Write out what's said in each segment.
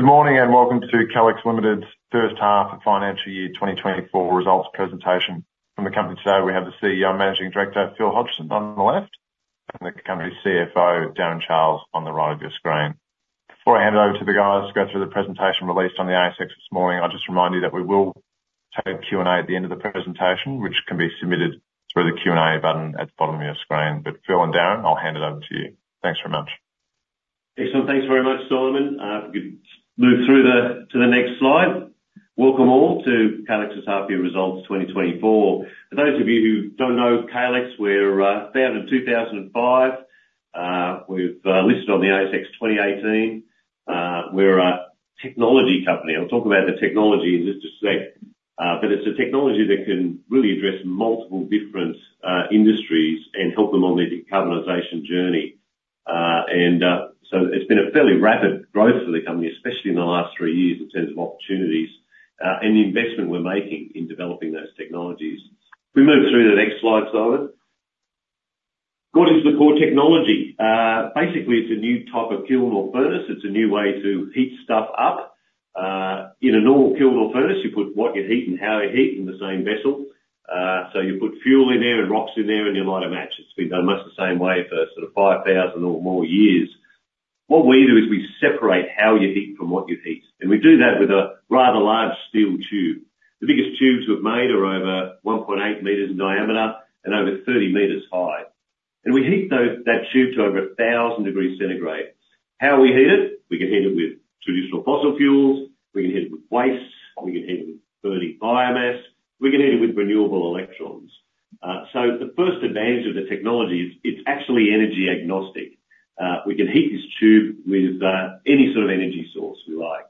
Good morning and welcome to Calix Limited's first half of financial year 2024 results presentation. From the company today, we have the CEO, Managing Director Phil Hodgson on the left and the company CFO Darren Charles on the right of your screen. Before I hand it over to the guys to go through the presentation released on the ASX this morning, I just remind you that we will take Q&A at the end of the presentation, which can be submitted through the Q&A button at the bottom of your screen. But Phil and Darren, I'll hand it over to you. Thanks very much. Excellent. Thanks very much Simon. If we could move through to the next slide. Welcome all to Calix's half year results 2024. For those of you who don't know Calix, we were founded in 2005. We've listed on the ASX 2018. We're a technology company. I'll talk about the technology in just a sec. But it's a technology that can really address multiple different industries and help them on their decarbonization journey. And so it's been a fairly rapid growth for the company especially in the last three years in terms of opportunities and the investment we're making in developing those technologies. If we move through to the next slide Simon. What is the core technology? Basically it's a new type of kiln or furnace. It's a new way to heat stuff up. In a normal kiln or furnace you put what you heat and how you heat in the same vessel. So you put fuel in there and rocks in there and you light a match. It's been done much the same way for sort of 5,000 or more years. What we do is we separate how you heat from what you heat. And we do that with a rather large steel tube. The biggest tubes we've made are over 1.8 meters in diameter and over 30 meters high. And we heat that tube to over 1,000 degrees centigrade. How we heat it? We can heat it with traditional fossil fuels. We can heat it with waste. We can heat it with burning biomass. We can heat it with renewable electrons. So the first advantage of the technology is it's actually energy agnostic. We can heat this tube with any sort of energy source we like.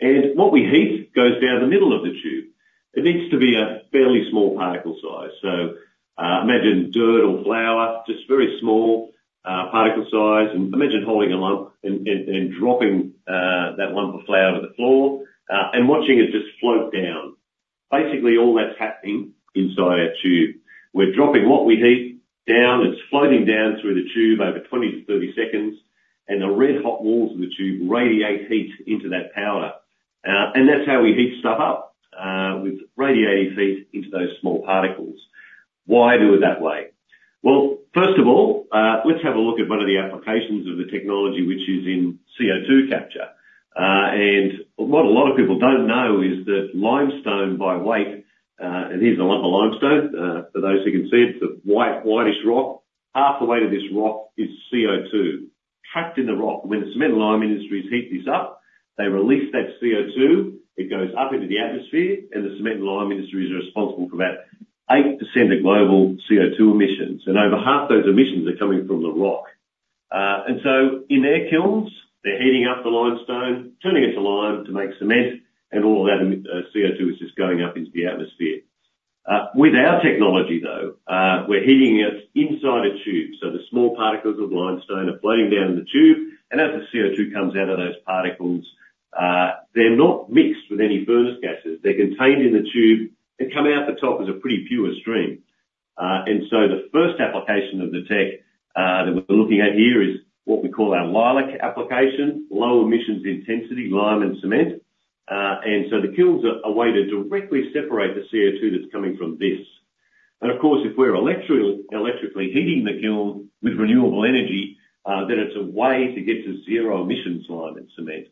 And what we heat goes down the middle of the tube. It needs to be a fairly small particle size. So imagine dirt or flour. Just very small particle size. And imagine holding a lump and dropping that lump of flour to the floor and watching it just float down. Basically all that's happening inside our tube. We're dropping what we heat down. It's floating down through the tube over 20-30 seconds and the red hot walls of the tube radiate heat into that powder. And that's how we heat stuff up with radiating heat into those small particles. Why do it that way? Well first of all let's have a look at one of the applications of the technology which is in CO2 capture. What a lot of people don't know is that limestone by weight and here's a lump of limestone. For those who can see it it's a white whitish rock. Half the weight of this rock is CO2 trapped in the rock. When the cement and lime industries heat this up they release that CO2. It goes up into the atmosphere and the cement and lime industries are responsible for about 8% of global CO2 emissions. Over half those emissions are coming from the rock. So in their kilns they're heating up the limestone turning it to lime to make cement and all of that CO2 is just going up into the atmosphere. With our technology though we're heating it inside a tube. So the small particles of limestone are floating down in the tube and as the CO2 comes out of those particles they're not mixed with any furnace gases. They're contained in the tube and come out the top as a pretty pure stream. And so the first application of the tech that we're looking at here is what we call our Leilac application. Low emissions intensity lime and cement. And so the kilns are a way to directly separate the CO2 that's coming from this. And of course if we're electrically heating the kiln with renewable energy then it's a way to get to zero emissions lime and cement.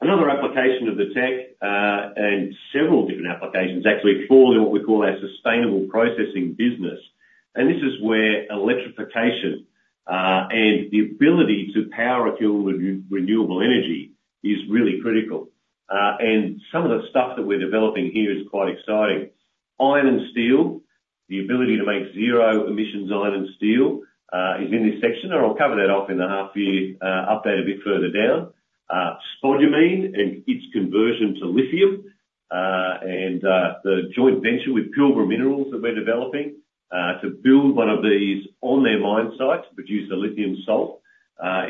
Another application of the tech and several different applications actually for what we call our sustainable processing business. And this is where electrification and the ability to power a kiln with renewable energy is really critical. Some of the stuff that we're developing here is quite exciting. Iron and steel. The ability to make zero emissions iron and steel is in this section or I'll cover that off in the half year update a bit further down. Spodumene and its conversion to lithium. The joint venture with Pilbara Minerals that we're developing to build one of these on their mine site to produce the lithium salt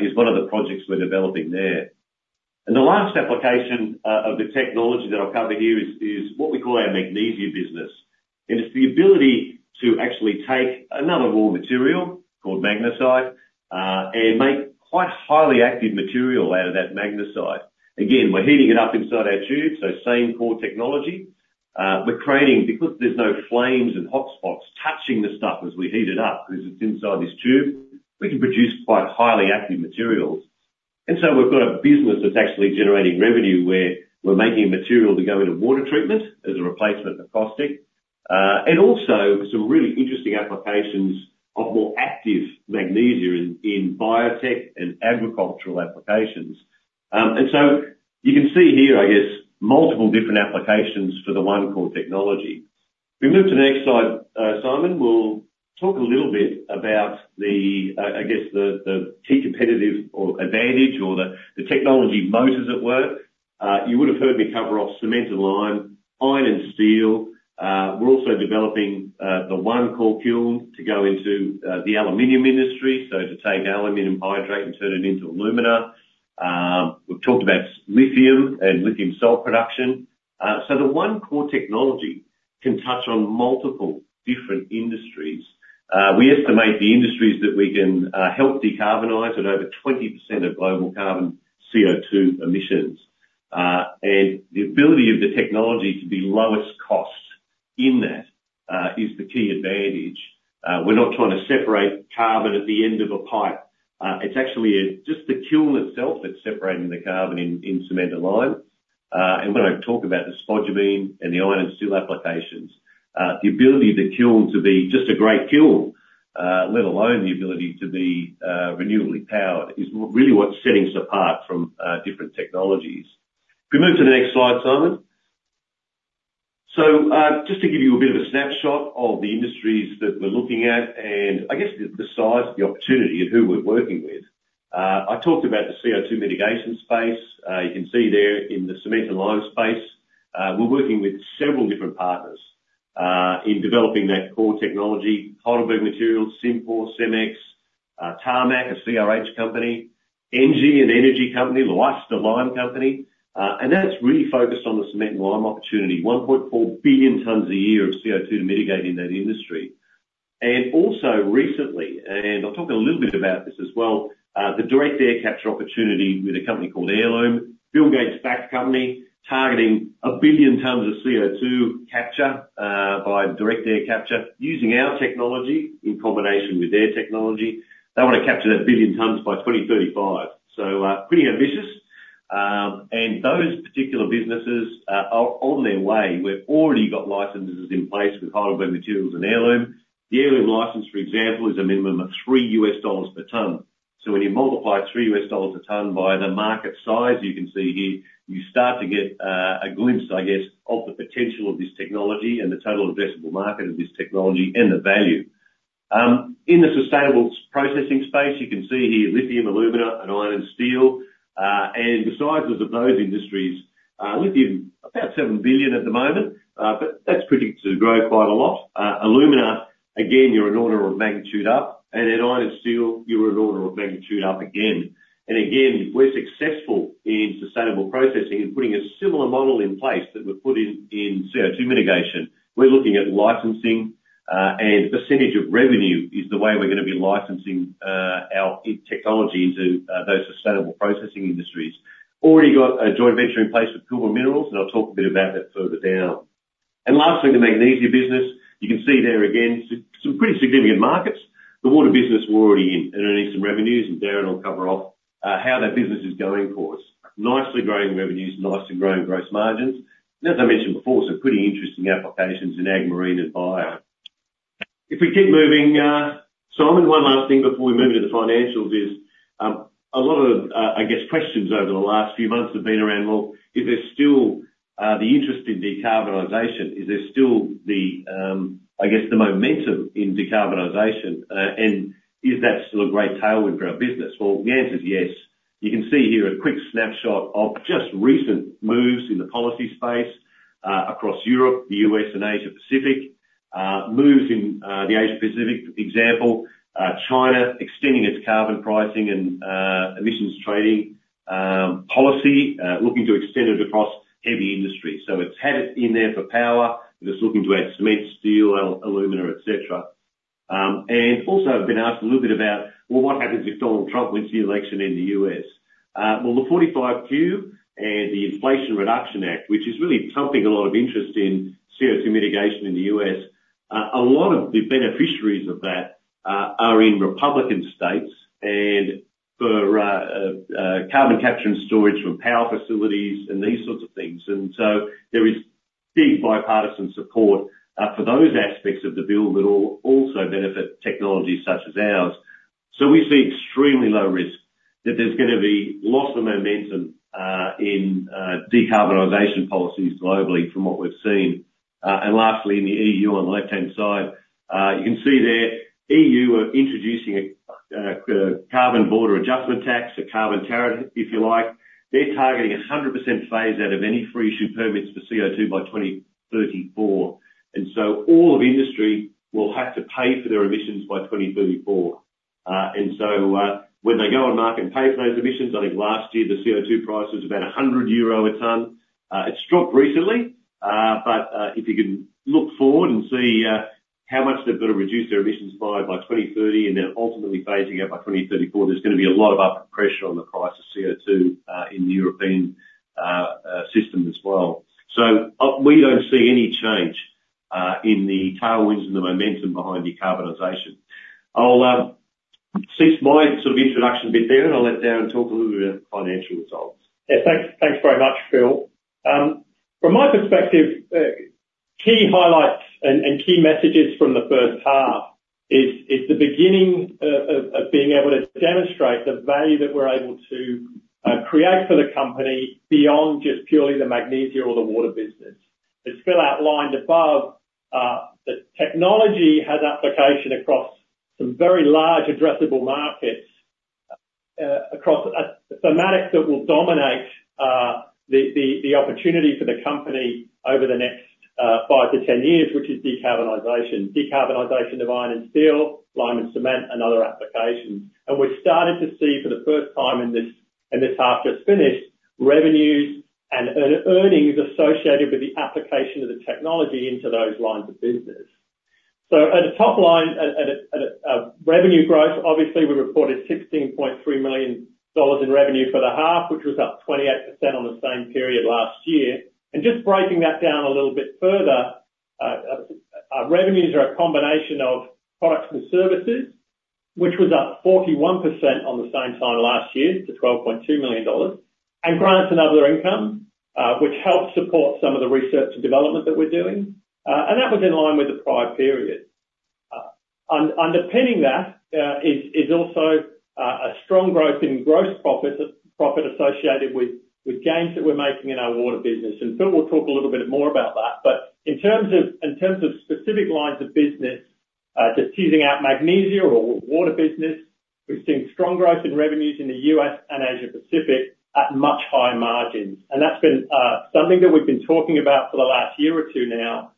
is one of the projects we're developing there. The last application of the technology that I'll cover here is what we call our magnesium business. It's the ability to actually take another raw material called Magnesite and make quite highly active material out of that Magnesite. Again we're heating it up inside our tube. So same core technology. We're creating because there's no flames and hot spots touching the stuff as we heat it up because it's inside this tube we can produce quite highly active materials. And so we've got a business that's actually generating revenue where we're making material to go into water treatment as a replacement for caustic. And also some really interesting applications of more active magnesium in biotech and agricultural applications. And so you can see here I guess multiple different applications for the one core technology. If we move to the next slide Simon we'll talk a little bit about the I guess the key competitive or advantage or the technology motors at work. You would have heard me cover off cement and lime, iron and steel. We're also developing the one core kiln to go into the aluminum industry. So to take aluminum hydrate and turn it into alumina. We've talked about lithium and lithium salt production. So the one core technology can touch on multiple different industries. We estimate the industries that we can help decarbonize at over 20% of global carbon CO2 emissions. And the ability of the technology to be lowest cost in that is the key advantage. We're not trying to separate carbon at the end of a pipe. It's actually just the kiln itself that's separating the carbon in cement and lime. And when I talk about the spodumene and the iron and steel applications, the ability of the kiln to be just a great kiln let alone the ability to be renewably powered is really what's setting us apart from different technologies. If we move to the next slide, Simon. So just to give you a bit of a snapshot of the industries that we're looking at and I guess the size of the opportunity and who we're working with. I talked about the CO2 mitigation space. You can see there in the cement and lime space we're working with several different partners in developing that core technology. Heidelberg Materials, Cimpor, Cemex, Tarmac, a CRH company, Engie, an energy company, Lhoist lime company. And that's really focused on the cement and lime opportunity. 1.4 billion tonnes a year of CO2 to mitigate in that industry. And also recently and I'll talk a little bit about this as well the direct air capture opportunity with a company called Heirloom. Bill Gates' backed company targeting a billion tonnes of CO2 capture by direct air capture using our technology in combination with their technology. They want to capture that billion tonnes by 2035. Pretty ambitious. Those particular businesses are on their way. We've already got licenses in place with Heidelberg Materials and Heirloom. The Heirloom license for example is a minimum of $3 per tonne. When you multiply $3 a tonne by the market size you can see here you start to get a glimpse I guess of the potential of this technology and the total addressable market of this technology and the value. In the sustainable processing space you can see here lithium, alumina and iron and steel. The sizes of those industries lithium about $7 billion at the moment but that's predicted to grow quite a lot. Alumina again you're an order of magnitude up. In iron and steel you're an order of magnitude up again. Again, we're successful in sustainable processing in putting a similar model in place that we've put in CO2 mitigation. We're looking at licensing and percentage of revenue is the way we're going to be licensing our technology into those sustainable processing industries. Already got a joint venture in place with Pilbara Minerals and I'll talk a bit about that further down. Lastly, the magnesium business. You can see there again some pretty significant markets. The water business we're already in earning some revenues and Darren will cover off how that business is going for us. Nicely growing revenues. Nicely growing gross margins. As I mentioned before, some pretty interesting applications in ag, marine, and bio. If we keep moving, Simon, one last thing before we move into the financials is a lot of, I guess, questions over the last few months have been around, well, is there still the interest in decarbonization? Is there still the, I guess, the momentum in decarbonization? And is that still a great tailwind for our business? Well, the answer's yes. You can see here a quick snapshot of just recent moves in the policy space across Europe, the U.S., and Asia Pacific. Moves in the Asia Pacific, for example. China extending its carbon pricing and emissions trading policy. Looking to extend it across heavy industries. So it's had it in there for power but it's looking to add cement, steel, alumina, etc. And also I've been asked a little bit about, well, what happens if Donald Trump wins the election in the U.S.? Well, the 45Q and the Inflation Reduction Act, which is really pumping a lot of interest in CO2 mitigation in the U.S. A lot of the beneficiaries of that are in Republican states and for carbon capture and storage from power facilities and these sorts of things. And so there is big bipartisan support for those aspects of the bill that also benefit technologies such as ours. So we see extremely low risk that there's going to be loss of momentum in decarbonization policies globally from what we've seen. And lastly in the E.U. on the left-hand side you can see there E.U. are introducing a carbon border adjustment tax. A carbon tariff if you like. They're targeting 100% phase out of any free issued permits for CO2 by 2034. And so all of industry will have to pay for their emissions by 2034. And so when they go on market and pay for those emissions I think last year the CO2 price was about 100 euro a tonne. It's dropped recently but if you can look forward and see how much they've got to reduce their emissions by 2030 and then ultimately phasing out by 2034 there's going to be a lot of upward pressure on the price of CO2 in the European system as well. So we don't see any change in the tailwinds and the momentum behind decarbonization. I'll cease my sort of introduction bit there and I'll let Darren talk a little bit about the financial results. Yeah. Thanks. Thanks very much Phil. From my perspective, key highlights and key messages from the first half is the beginning of being able to demonstrate the value that we're able to create for the company beyond just purely the magnesium or the water business. As Phil outlined above, the technology has application across some very large addressable markets. Across a thematic that will dominate the opportunity for the company over the next five to 10 years which is decarbonization. Decarbonization of iron and steel, lime and cement and other applications. And we've started to see for the first time in this and this half just finished revenues and earnings associated with the application of the technology into those lines of business. So at a top line at a revenue growth obviously we reported $16.3 million in revenue for the half which was up 28% on the same period last year. Just breaking that down a little bit further, revenues are a combination of products and services which was up 41% on the same time last year to $12.2 million. Grants and other income which helped support some of the research and development that we're doing. And that was in line with the prior period. Underpinning that is also a strong growth in gross profit associated with gains that we're making in our water business. Phil will talk a little bit more about that. But in terms of specific lines of business just teasing out magnesium or water business we've seen strong growth in revenues in the U.S. and Asia Pacific at much higher margins. That's been something that we've been talking about for the last year or two now.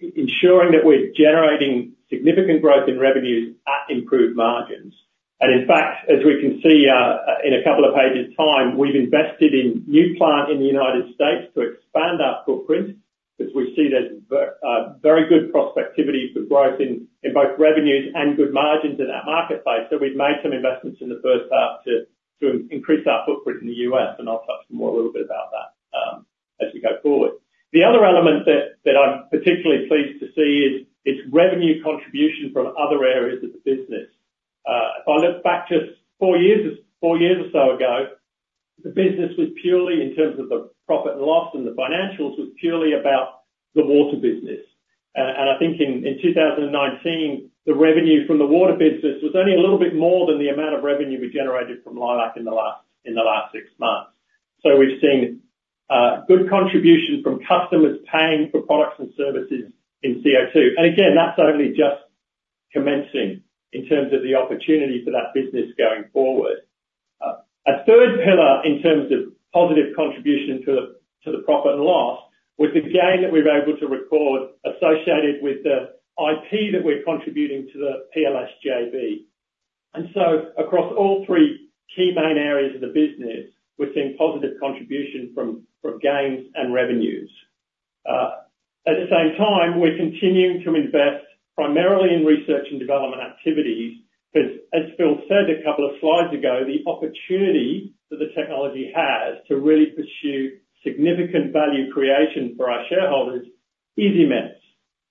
Ensuring that we're generating significant growth in revenues at improved margins. And in fact as we can see in a couple of pages' time we've invested in new plants in the United States to expand our footprint because we see there's very good prospectivity for growth in both revenues and good margins in that marketplace. So we've made some investments in the first half to increase our footprint in the U.S. And I'll touch more a little bit about that as we go forward. The other element that I'm particularly pleased to see is revenue contribution from other areas of the business. If I look back just four years or so ago the business was purely in terms of the profit and loss and the financials was purely about the water business. I think in 2019 the revenue from the water business was only a little bit more than the amount of revenue we generated from Leilac in the last six months. So we've seen good contribution from customers paying for products and services in CO2. And again that's only just commencing in terms of the opportunity for that business going forward. A third pillar in terms of positive contribution to the profit and loss was the gain that we were able to record associated with the IP that we're contributing to the PLS JV. And so across all three key main areas of the business we're seeing positive contribution from gains and revenues. At the same time we're continuing to invest primarily in research and development activities because as Phil said a couple of slides ago the opportunity that the technology has to really pursue significant value creation for our shareholders is immense.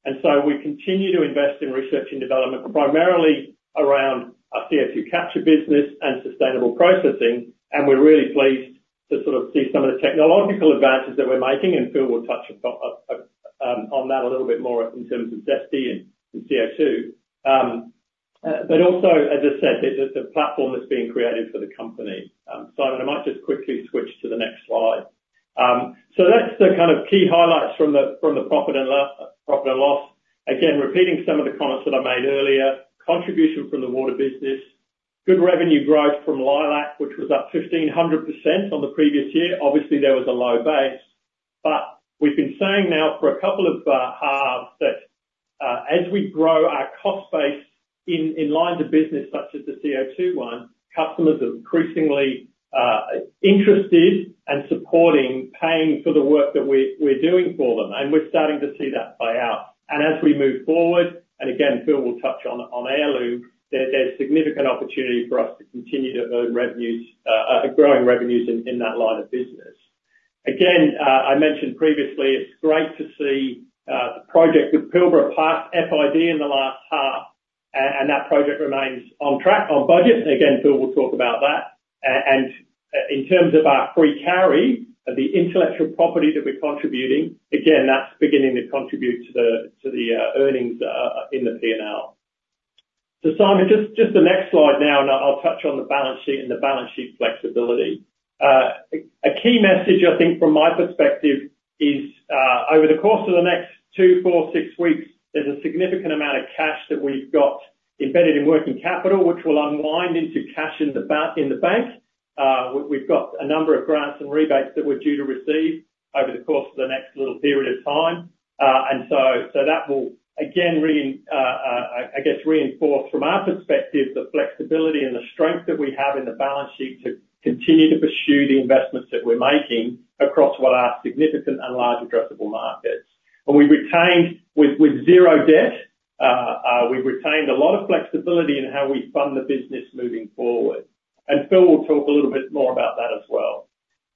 And so we continue to invest in research and development primarily around our CO2 capture business and sustainable processing. And we're really pleased to sort of see some of the technological advances that we're making. And Phil will touch on that a little bit more in terms of ZESTY and CO2. But also as I said the platform that's being created for the company. Simon I might just quickly switch to the next slide. So that's the kind of key highlights from the profit and loss. Again repeating some of the comments that I made earlier. Contribution from the water business. Good revenue growth from Leilac which was up 1,500% on the previous year. Obviously there was a low base. But we've been saying now for a couple of halves that as we grow our cost base in lines of business such as the CO2 one customers are increasingly interested and supporting paying for the work that we're doing for them. And we're starting to see that play out. And as we move forward and again Phil will touch on Heirloom there's significant opportunity for us to continue to earn revenues growing revenues in that line of business. Again I mentioned previously it's great to see the project with Pilbara pass FID in the last half and that project remains on track on budget. Again Phil will talk about that. In terms of our free carry of the intellectual property that we're contributing, again that's beginning to contribute to the earnings in the P&L. So Simon, just the next slide now and I'll touch on the balance sheet and the balance sheet flexibility. A key message I think from my perspective is over the course of the next two, four, six weeks there's a significant amount of cash that we've got embedded in working capital which will unwind into cash in the bank. We've got a number of grants and rebates that we're due to receive over the course of the next little period of time. And so that will again I guess reinforce from our perspective the flexibility and the strength that we have in the balance sheet to continue to pursue the investments that we're making across what are significant and large addressable markets. We've retained with zero debt we've retained a lot of flexibility in how we fund the business moving forward. Phil will talk a little bit more about that as well.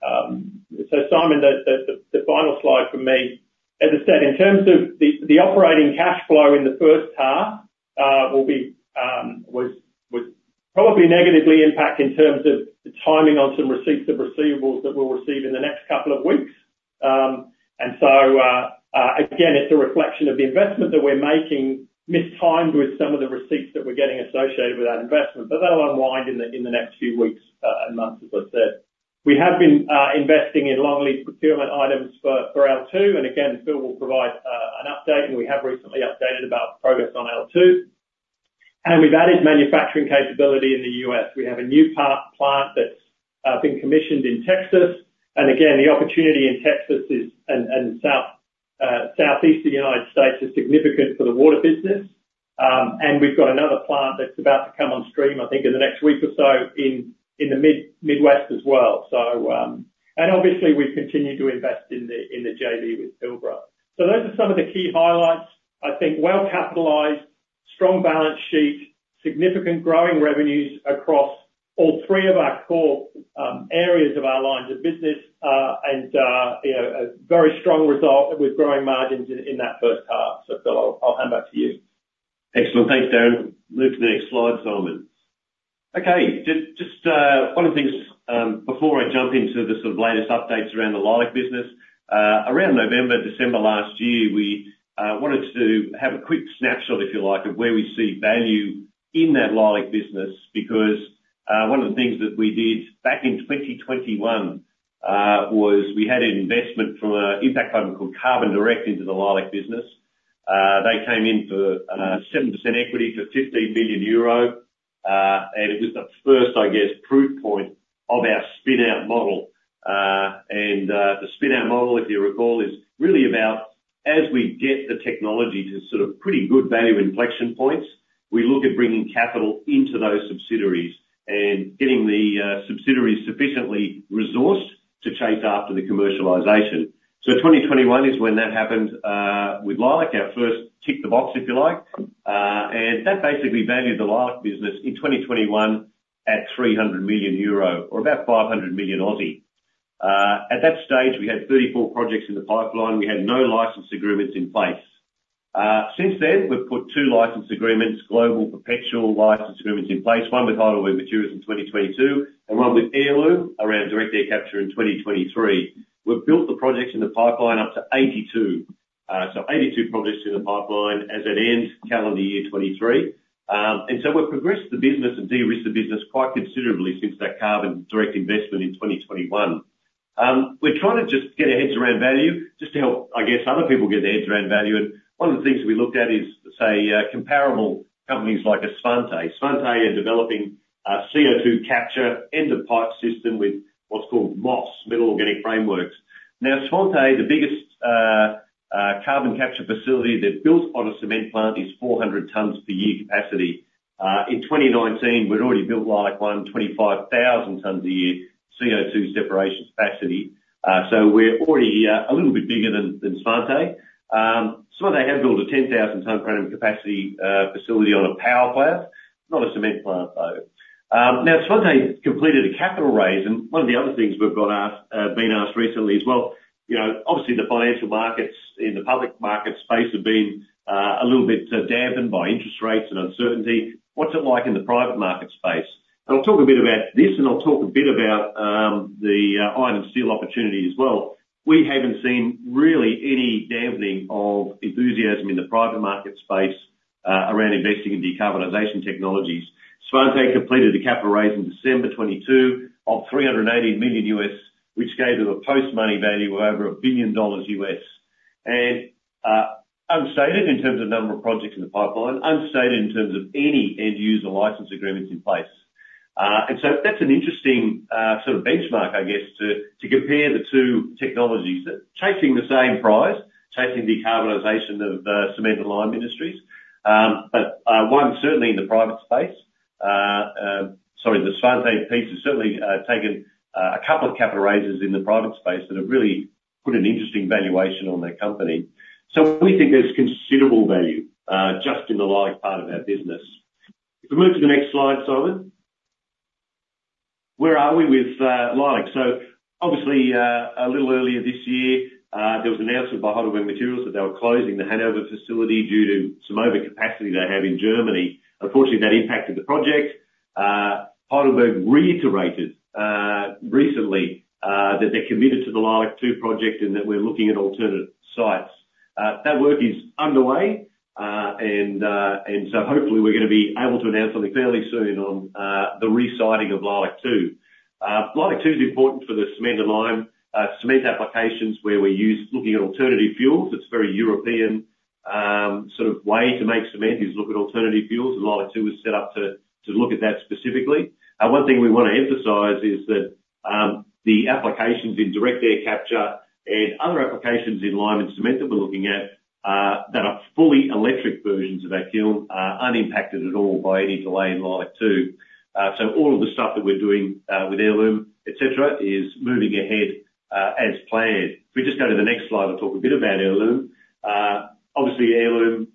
So, Simon, the final slide for me. As I said, in terms of the operating cash flow in the first half was probably negatively impacted in terms of the timing on some receipts of receivables that we'll receive in the next couple of weeks. And so again it's a reflection of the investment that we're making mistimed with some of the receipts that we're getting associated with that investment. But that'll unwind in the next few weeks and months as I said. We have been investing in long lead procurement items for L2. And again Phil will provide an update. And we have recently updated about progress on L2. We've added manufacturing capability in the U.S. We have a new plant that's been commissioned in Texas. And again the opportunity in Texas and southeastern United States is significant for the water business. And we've got another plant that's about to come on stream I think in the next week or so in the Midwest as well. And obviously we continue to invest in the JV with Pilbara. So those are some of the key highlights I think. Well capitalized. Strong balance sheet. Significant growing revenues across all three of our core areas of our lines of business. And a very strong result with growing margins in that first half. So Phil I'll hand back to you. Excellent. Thanks Darren. Move to the next slide Simon. Okay. Just one of the things before I jump into the sort of latest updates around the Leilac business. Around November, December last year we wanted to have a quick snapshot if you like of where we see value in that Leilac business because one of the things that we did back in 2021 was we had an investment from an impact company called Carbon Direct into the Leilac business. They came in for 7% equity for 15 million euro. And it was the first I guess proof point of our spin-out model. And the spin-out model if you recall is really about as we get the technology to sort of pretty good value inflection points we look at bringing capital into those subsidiaries and getting the subsidiaries sufficiently resourced to chase after the commercialisation. So 2021 is when that happened with Leilac. Our first tick the box if you like. And that basically valued the Leilac business in 2021 at 300 million euro or about 500 million. At that stage we had 34 projects in the pipeline. We had no license agreements in place. Since then we've put two license agreements global perpetual license agreements in place. One with Heidelberg Materials in 2022 and one with Heirloom around direct air capture in 2023. We've built the projects in the pipeline up to 82. So 82 projects in the pipeline as it ends calendar year 2023. And so we've progressed the business and de-risked the business quite considerably since that Carbon Direct investment in 2021. We're trying to just get our heads around value just to help I guess other people get their heads around value. And one of the things that we looked at is say comparable companies like Svante. Svante are developing a CO2 capture end-of-pipe system with what's called MOFs, metal-organic frameworks. Now Svante, the biggest carbon capture facility that builds on a cement plant, is 400 tons per year capacity. In 2019 we'd already built Leilac-1 25,000 tons a year CO2 separation capacity. So we're already a little bit bigger than Svante. Some of them have built a 10,000 tons per annum capacity facility on a power plant. Not a cement plant though. Now Svante completed a capital raise. One of the other things we've been asked recently is, well, obviously the financial markets in the public market space have been a little bit dampened by interest rates and uncertainty. What's it like in the private market space? I'll talk a bit about this and I'll talk a bit about the iron and steel opportunity as well. We haven't seen really any dampening of enthusiasm in the private market space around investing in decarbonization technologies. Svante completed a capital raise in December 2022 of $380 million which gave them a post-money value of over $1 billion. Unstated in terms of number of projects in the pipeline. Unstated in terms of any end-user license agreements in place. So that's an interesting sort of benchmark I guess to compare the two technologies that chasing the same prize. Chasing decarbonization of cement and lime industries. But one certainly in the private space. Sorry the Svante piece has certainly taken a couple of capital raises in the private space that have really put an interesting valuation on their company. So we think there's considerable value just in the Leilac part of our business. If we move to the next slide Simon. Where are we with Leilac? So obviously a little earlier this year there was an announcement by Heidelberg Materials that they were closing the Hanover facility due to some overcapacity they have in Germany. Unfortunately that impacted the project. Heidelberg Materials reiterated recently that they're committed to the Leilac-2 project and that we're looking at alternative sites. That work is underway. And so hopefully we're going to be able to announce something fairly soon on the siting of Leilac-2. Leilac-2's important for the cement and lime cement applications where we use looking at alternative fuels. It's a very European sort of way to make cement is look at alternative fuels. And Leilac-2 was set up to look at that specifically. One thing we want to emphasize is that the applications in direct air capture and other applications in lime and cement that we're looking at that are fully electric versions of our kiln are unimpacted at all by any delay in Leilac-2. So all of the stuff that we're doing with Heirloom etc. is moving ahead as planned. If we just go to the next slide I'll talk a bit about Heirloom. Obviously Heirloom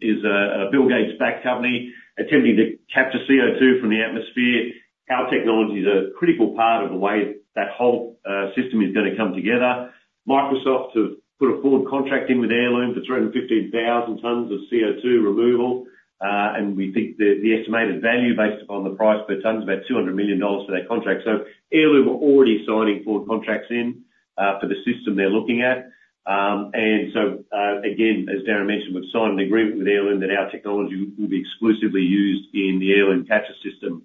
is a Bill Gates-backed company attempting to capture CO2 from the atmosphere. Our technology's a critical part of the way that whole system is going to come together. Microsoft have put a forward contract in with Heirloom for 315,000 tons of CO2 removal. And we think the estimated value based upon the price per ton is about $200 million for that contract. So Heirloom are already signing forward contracts in for the system they're looking at. And so again as Darren mentioned we've signed an agreement with Heirloom that our technology will be exclusively used in the Heirloom capture system.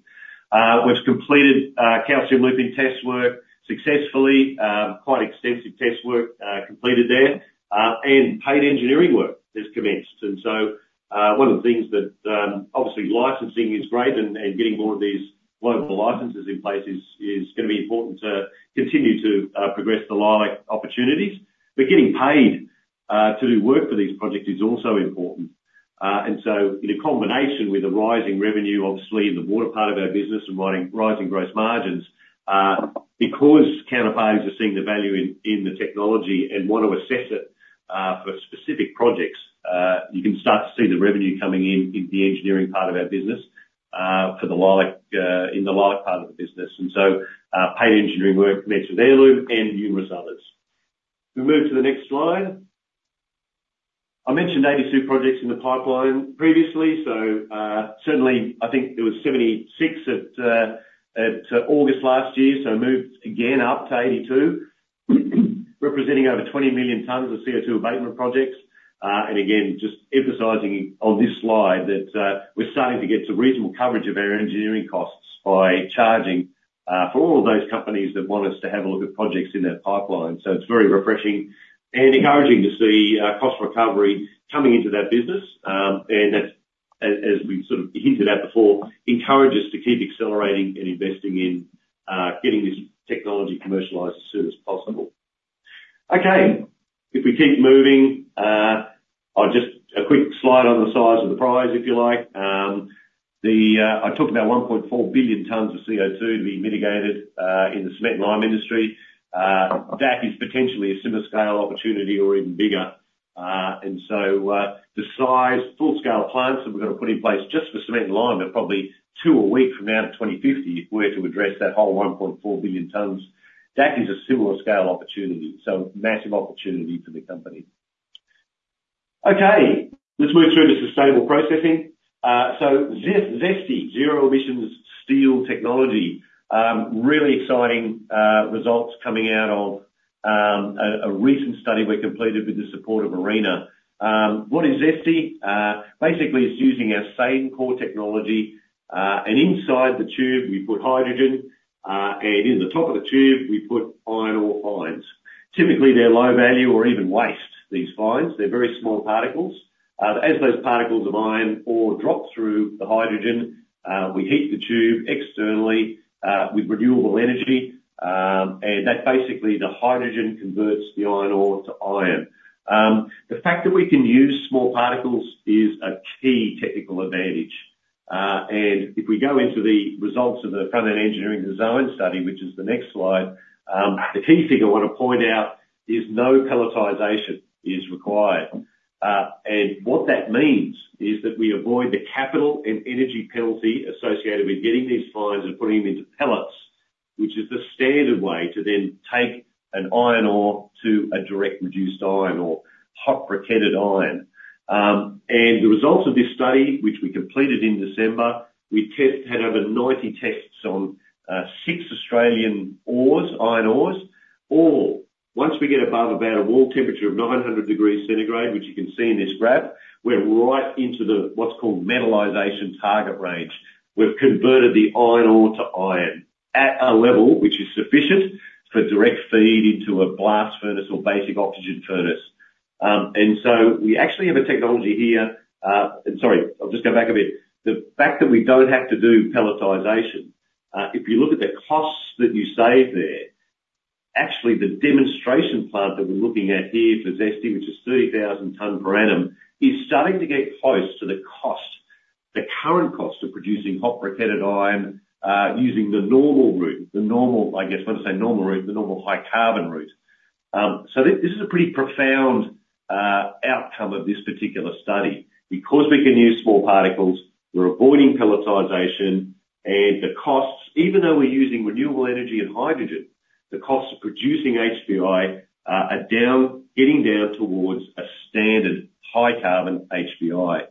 We've completed Calcium Looping test work successfully. Quite extensive test work completed there. And paid engineering work has commenced. And so one of the things that obviously licensing is great and getting more of these global licenses in place is going to be important to continue to progress the Leilac opportunities. But getting paid to do work for these projects is also important. And so in a combination with the rising revenue obviously in the water part of our business and rising gross margins because counterparties are seeing the value in the technology and want to assess it for specific projects, you can start to see the revenue coming in in the engineering part of our business for the Leilac in the Leilac part of the business. And so paid engineering work commenced with Heirloom and numerous others. If we move to the next slide. I mentioned 82 projects in the pipeline previously. So certainly I think there was 76 at August last year. So moved again up to 82 representing over 20 million tons of CO2 abatement projects. And again just emphasizing on this slide that we're starting to get to reasonable coverage of our engineering costs by charging for all of those companies that want us to have a look at projects in their pipeline. So it's very refreshing and encouraging to see cost recovery coming into that business. And that's as we sort of hinted at before encourages to keep accelerating and investing in getting this technology commercialized as soon as possible. Okay. If we keep moving I'll just a quick slide on the size of the prize if you like. I talked about 1.4 billion tons of CO2 to be mitigated in the cement and lime industry. That is potentially a similarly scale opportunity or even bigger. And so the size full-scale plants that we've got to put in place just for cement and lime are probably two a week from now to 2050 if we're to address that whole 1.4 billion tonnes. That is a similarly scale opportunity. So massive opportunity for the company. Okay. Let's move through to sustainable processing. So ZESTI, zero-emissions steel technology. Really exciting results coming out of a recent study we completed with the support of ARENA. What is ZESTI? Basically it's using our same core technology. And inside the tube we put hydrogen. And in the top of the tube we put iron ore fines. Typically they're low value or even waste these fines. They're very small particles. As those particles of iron ore drop through the hydrogen we heat the tube externally with renewable energy. And that basically the hydrogen converts the iron ore to iron. The fact that we can use small particles is a key technical advantage. If we go into the results of the front-end engineering design study, which is the next slide, the key thing I want to point out is no pelletization is required. And what that means is that we avoid the capital and energy penalty associated with getting these fines and putting them into pellets, which is the standard way to then take an iron ore to a direct reduced iron ore. Hot Briquetted Iron. And the results of this study, which we completed in December, we tested had over 90 tests on six Australian ores, iron ores. All once we get above about a wall temperature of 900 degrees centigrade, which you can see in this graph, we're right into the what's called metallization target range. We've converted the iron ore to iron at a level which is sufficient for direct feed into a blast furnace or basic oxygen furnace. And so we actually have a technology here and sorry. I'll just go back a bit. The fact that we don't have to do pelletization. If you look at the costs that you save there actually the demonstration plant that we're looking at here for ZESTI which is 30,000 tonnes per annum is starting to get close to the cost the current cost of producing hot briquetted iron using the normal route. The normal I guess I want to say normal route. The normal high-carbon route. So this is a pretty profound outcome of this particular study. Because we can use small particles we're avoiding pelletization and the costs even though we're using renewable energy and hydrogen the costs of producing HBI are down getting down towards a standard high-carbon HBI.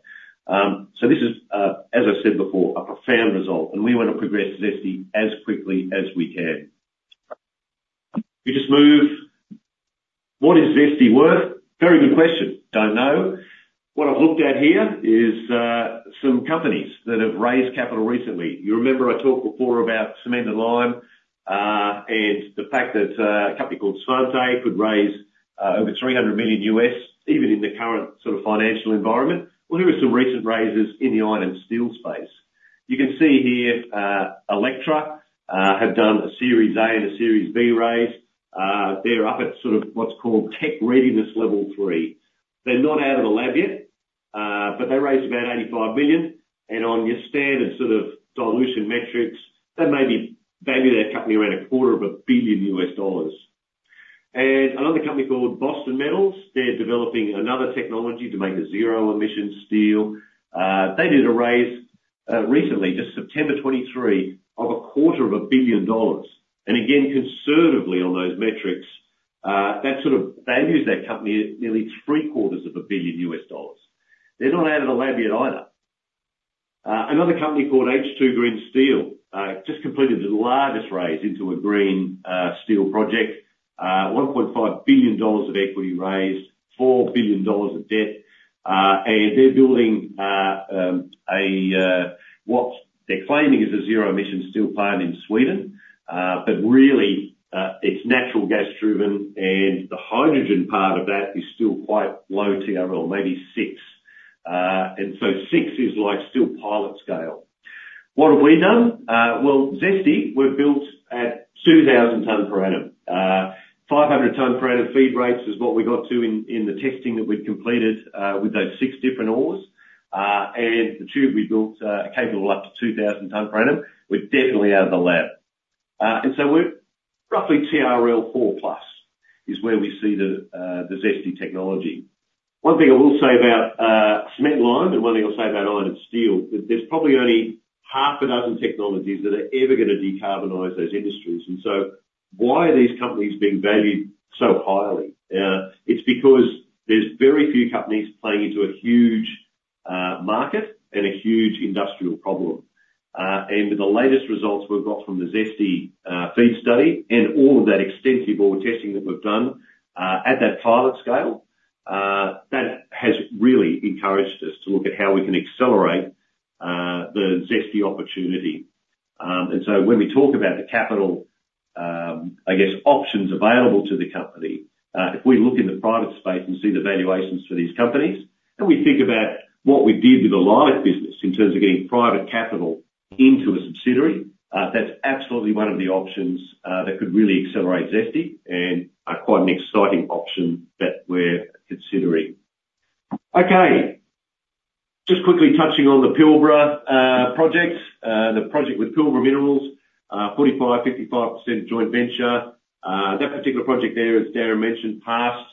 So this is as I've said before a profound result. And we want to progress ZESTI as quickly as we can. If we just move. What is ZESTI worth? Very good question. Don't know. What I've looked at here is some companies that have raised capital recently. You remember I talked before about cement and lime and the fact that a company called Svante could raise over $300 million even in the current sort of financial environment. Well here are some recent raises in the iron and steel space. You can see here Electra have done a Series A and a Series B raise. They're up at sort of what's called Technology Readiness Level 3. They're not out of the lab yet, but they raised about $85 million. On your standard sort of dilution metrics, that may value their company around $250 million. Another company called Boston Metal; they're developing another technology to make zero-emission steel. They did a raise recently, just September 2023, of $250 million. Again, conservatively on those metrics, that sort of values that company at nearly $750 million. They're not out of the lab yet either. Another company called H2 Green Steel just completed the largest raise into a green steel project. $1.5 billion of equity raised. $4 billion of debt. They're building what they're claiming is a zero-emission steel plant in Sweden. But really, it's natural gas driven, and the hydrogen part of that is still quite low TRL. Maybe six. And so six is like still pilot scale. What have we done? Well, ZESTI we've built at 2,000 tons per annum. 500 tons per annum feed rates is what we got to in the testing that we'd completed with those six different ores. And the tube we built capable up to 2,000 tons per annum. We're definitely out of the lab. And so we're roughly TRL 4+ is where we see the ZESTI technology. One thing I will say about cement and lime and one thing I'll say about iron and steel that there's probably only half a dozen technologies that are ever going to decarbonize those industries. And so why are these companies being valued so highly? It's because there's very few companies playing into a huge market and a huge industrial problem. With the latest results we've got from the ZESTI feed study and all of that extensive ore testing that we've done at that pilot scale that has really encouraged us to look at how we can accelerate the ZESTI opportunity. So when we talk about the capital, I guess, options available to the company if we look in the private space and see the valuations for these companies and we think about what we did with the Leilac business in terms of getting private capital into a subsidiary, that's absolutely one of the options that could really accelerate ZESTI and quite an exciting option that we're considering. Okay. Just quickly touching on the Pilbara project. The project with Pilbara Minerals. 45% to 55% joint venture. That particular project there, as Darren mentioned, passed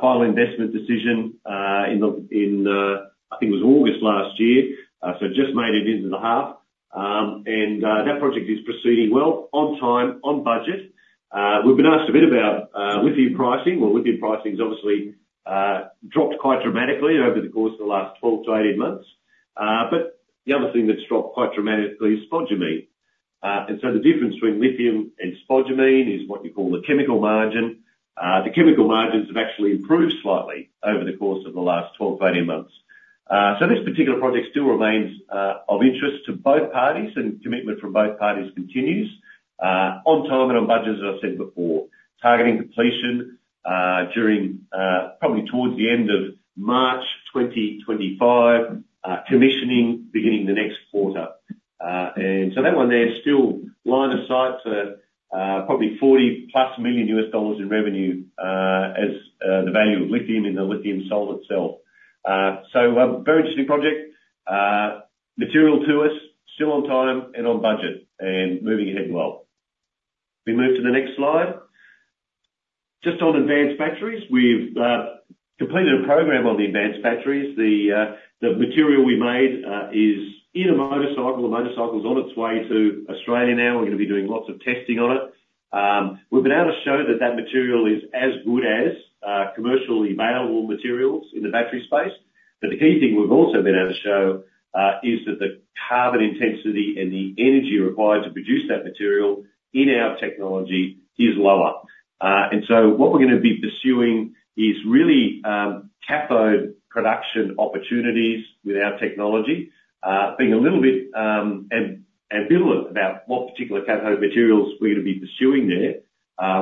final investment decision in, I think it was, August last year. So just made it into the half. And that project is proceeding well on time, on budget. We've been asked a bit about lithium pricing. Well lithium pricing's obviously dropped quite dramatically over the course of the last 12-18 months. But the other thing that's dropped quite dramatically is spodumene. And so the difference between lithium and spodumene is what you call the chemical margin. The chemical margins have actually improved slightly over the course of the last 12-18 months. So this particular project still remains of interest to both parties and commitment from both parties continues. On time and on budget as I've said before. Targeting completion during probably towards the end of March 2025. Commissioning beginning the next quarter. And so that one there's still line of sight for probably $40+ million in revenue as the value of lithium in the lithium spodumene itself. So a very interesting project. Very material to us. Still on time and on budget. And moving ahead well. If we move to the next slide. Just on advanced factories. We've completed a program on the advanced factories. The material we made is in a motorcycle. The motorcycle's on its way to Australia now. We're going to be doing lots of testing on it. We've been able to show that that material is as good as commercially available materials in the battery space. But the key thing we've also been able to show is that the carbon intensity and the energy required to produce that material in our technology is lower. And so what we're going to be pursuing is really cathode production opportunities with our technology. Being a little bit ambivalent about what particular cathode materials we're going to be pursuing there.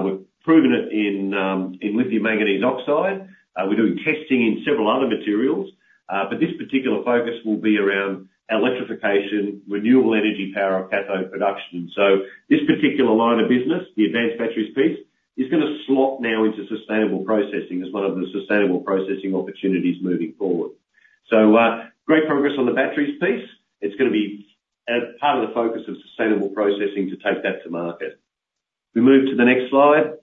We've proven it in Lithium Manganese Oxide. We're doing testing in several other materials. But this particular focus will be around electrification, renewable energy power of cathode production. And so this particular line of business, the advanced batteries piece, is going to slot now into sustainable processing as one of the sustainable processing opportunities moving forward. So great progress on the batteries piece. It's going to be part of the focus of sustainable processing to take that to market. If we move to the next slide.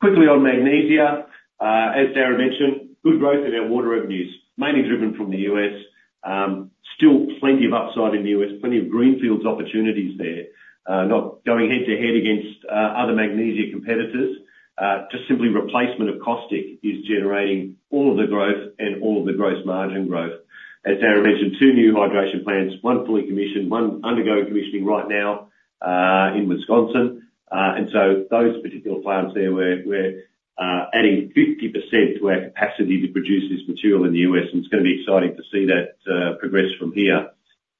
Quickly on Magnesia. As Darren mentioned, good growth in our water revenues. Mainly driven from the U.S. Still plenty of upside in the U.S. Plenty of greenfields opportunities there. Not going head to head against other magnesia competitors. Just simply replacement of caustic is generating all of the growth and all of the gross margin growth. As Darren mentioned, two new hydration plants. One fully commissioned. One undergoing commissioning right now in Wisconsin. And so those particular plants there we're adding 50% to our capacity to produce this material in the U.S. And it's going to be exciting to see that progress from here.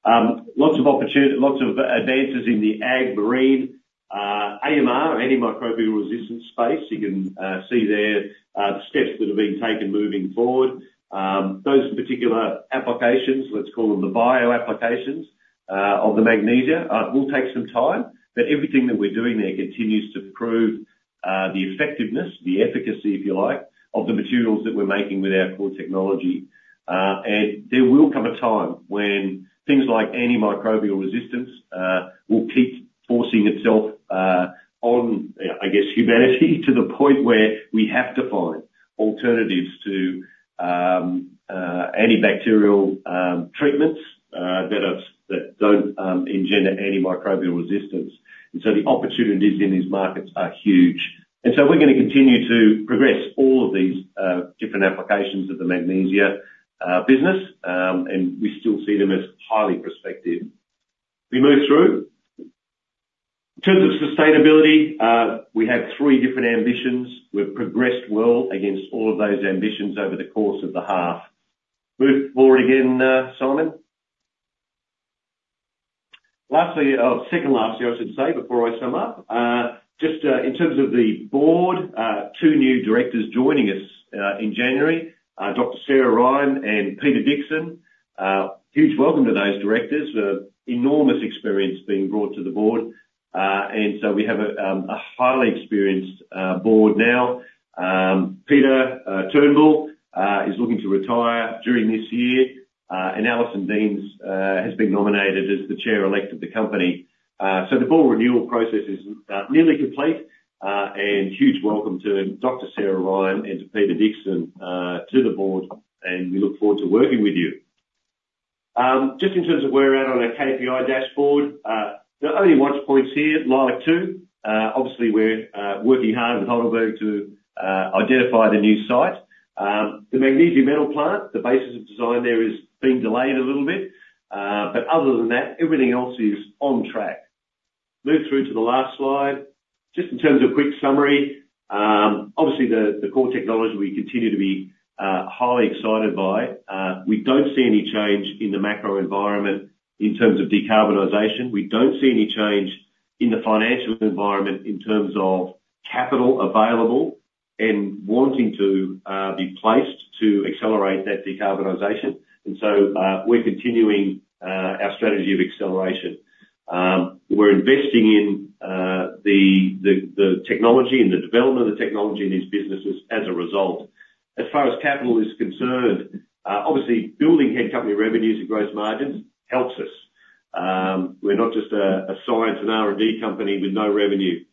Lots of opportunity, lots of advances in the ag/marine. AMR, antimicrobial resistance space. You can see there the steps that are being taken moving forward. Those particular applications, let's call them the bio applications of the magnesia, will take some time. But everything that we're doing there continues to prove the effectiveness, the efficacy if you like, of the materials that we're making with our core technology. And there will come a time when things like antimicrobial resistance will keep forcing itself on, I guess, humanity to the point where we have to find alternatives to antibacterial treatments that don't engender antimicrobial resistance. And so the opportunities in these markets are huge. And so we're going to continue to progress all of these different applications of the magnesia business. And we still see them as highly prospective. If we move through. In terms of sustainability, we have three different ambitions. We've progressed well against all of those ambitions over the course of the half. Move forward again, Simon. Lastly or second lastly I should say before I sum up. Just in terms of the board, two new directors joining us in January. Dr. Sarah Ryan and Peter Dixon. Huge welcome to those directors. Enormous experience being brought to the board. So we have a highly experienced board now. Peter Turnbull is looking to retire during this year. And Alison Deans has been nominated as the chair-elect of the company. So the board renewal process is nearly complete. And huge welcome to Dr. Sarah Ryan and to Peter Dixon to the board. And we look forward to working with you. Just in terms of where we're at on a KPI dashboard. There are only watchpoints here. Leilac-2. Obviously we're working hard with Heidelberg to identify the new site. The magnesium metal plant, the basis of design there is being delayed a little bit. But other than that, everything else is on track. Move through to the last slide. Just in terms of a quick summary. Obviously the core technology we continue to be highly excited by. We don't see any change in the macro environment in terms of decarbonization. We don't see any change in the financial environment in terms of capital available and wanting to be placed to accelerate that decarbonization. So we're continuing our strategy of acceleration. We're investing in the technology and the development of the technology in these businesses as a result. As far as capital is concerned, obviously building head company revenues and gross margins helps us. We're not just a science and R&D company with no revenue.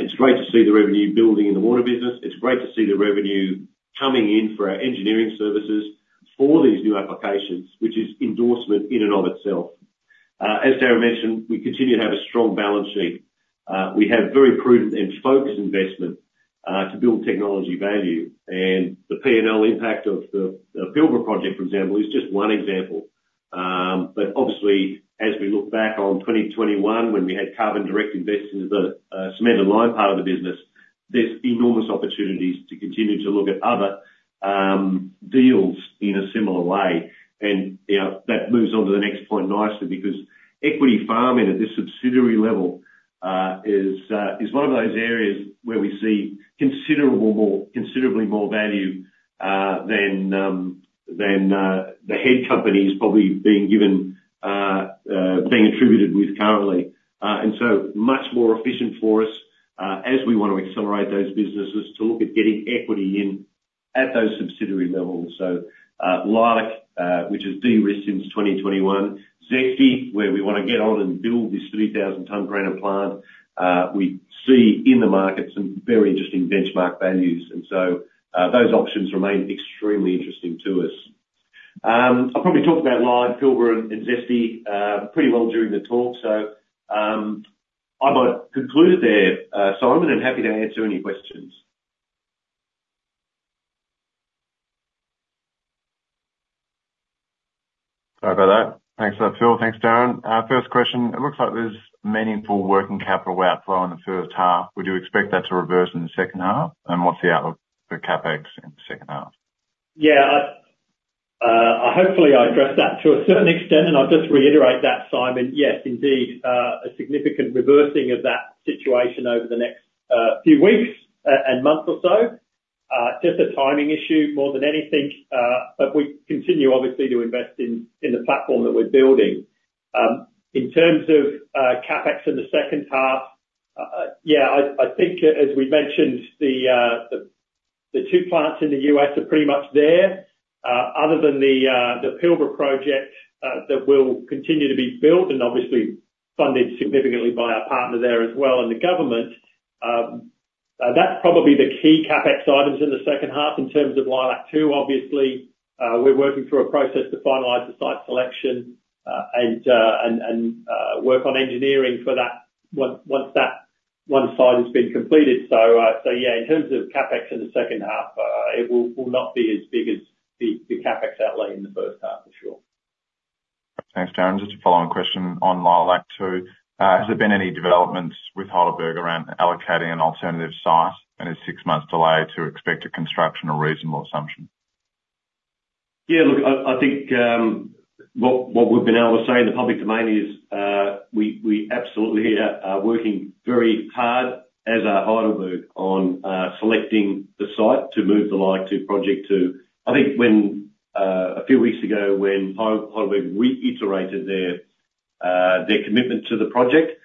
It's great to see the revenue building in the water business. It's great to see the revenue coming in for our engineering services for these new applications which is endorsement in and of itself. As Darren mentioned, we continue to have a strong balance sheet. We have very prudent and focused investment to build technology value. And the P&L impact of the Pilbara project, for example, is just one example. But obviously as we look back on 2021 when we had Carbon Direct investment into the cement and lime part of the business, there's enormous opportunities to continue to look at other deals in a similar way. And that moves onto the next point nicely because equity farming at this subsidiary level is one of those areas where we see considerably more value than the head company's probably being given being attributed with currently. And so much more efficient for us as we want to accelerate those businesses to look at getting equity in at those subsidiary levels. So Leilac which is de-risked since 2021. ZESTY where we want to get on and build this 3,000 tons granite plant. We see in the market some very interesting benchmark values. And so those options remain extremely interesting to us. I've probably talked about Leilac, Pilbara, and ZESTI pretty well during the talk. So I might conclude there, Simon, and happy to answer any questions. Sorry about that. Thanks for that, Phil. Thanks, Darren. First question. It looks like there's meaningful working capital outflow in the first half. Would you expect that to reverse in the second half? And what's the outlook for CapEx in the second half? Yeah. Hopefully I addressed that to a certain extent. And I'll just reiterate that, Simon. Yes, indeed, a significant reversing of that situation over the next few weeks and month or so. Just a timing issue more than anything. But we continue obviously to invest in the platform that we're building. In terms of CapEx in the second half, yeah, I think as we've mentioned, the two plants in the U.S. are pretty much there. Other than the Pilbara project that will continue to be built and obviously funded significantly by our partner there as well and the government, that's probably the key CapEx items in the second half in terms of Leilac too. Obviously we're working through a process to finalize the site selection and work on engineering for that once that one site has been completed. So yeah, in terms of CapEx in the second half, it will not be as big as the CapEx outlay in the first half for sure. Thanks, Darren. Just a following question on Leilac too. Has there been any developments with Heidelberg around allocating an alternative site and a six-month delay to expect a construction or reasonable assumption? Yeah. Look, I think what we've been able to say in the public domain is we absolutely are working very hard alongside our Heidelberg on selecting the site to move the Leilac-2 project to. I think a few weeks ago when Heidelberg reiterated their commitment to the project,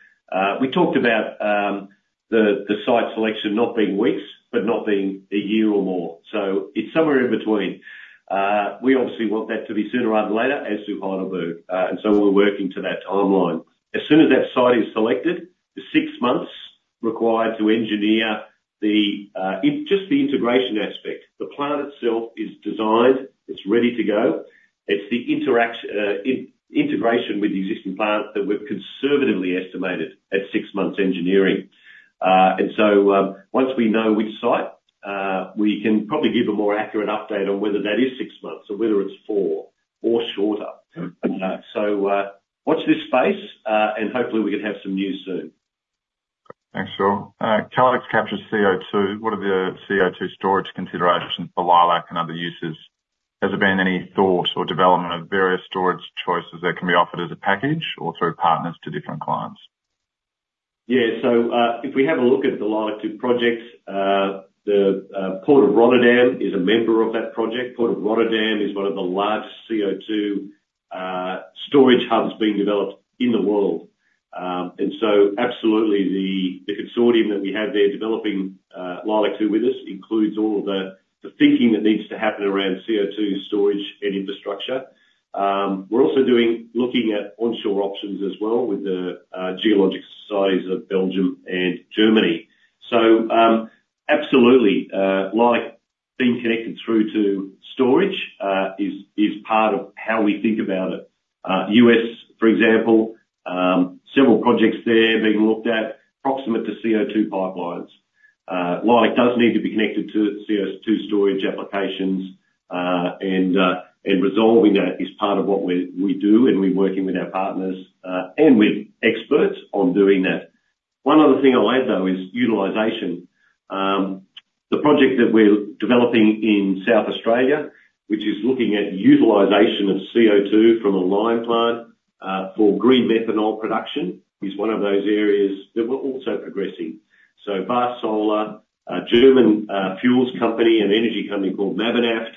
we talked about the site selection not being weeks but not being a year or more. So it's somewhere in between. We obviously want that to be sooner rather later as to Heidelberg. And so we're working to that timeline. As soon as that site is selected, the six months required to engineer just the integration aspect. The plant itself is designed. It's ready to go. It's the integration with the existing plant that we've conservatively estimated at six months engineering. Once we know which site, we can probably give a more accurate update on whether that is 6 months or whether it's four or shorter. So watch this space and hopefully we can have some news soon. Thanks, Phil. Calix capture CO2. What are the CO2 storage considerations for Leilac and other uses? Has there been any thought or development of various storage choices that can be offered as a package or through partners to different clients? Yeah. So if we have a look at the Leilac-2 project, the Port of Rotterdam is a member of that project. Port of Rotterdam is one of the largest CO2 storage hubs being developed in the world. And so absolutely the consortium that we have there developing Leilac-2 with us includes all of the thinking that needs to happen around CO2 storage and infrastructure. We're also looking at onshore options as well with the Geological Societies of Belgium and Germany. So absolutely, Leilac being connected through to storage is part of how we think about it. U.S., for example, several projects there being looked at proximate to CO2 pipelines. Leilac does need to be connected to CO2 storage applications. And resolving that is part of what we do. And we're working with our partners and with experts on doing that. One other thing I'll add though is utilization. The project that we're developing in South Australia which is looking at utilization of CO2 from a lime plant for green methanol production is one of those areas that we're also progressing. So Vast, German fuels company and energy company called Mabanaft,